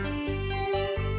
jangan nekat bang